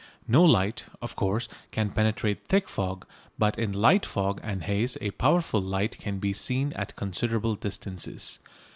No light, of course, can penetrate thick fog, but in light fog and haze a powerful light can be seen at considerable distances.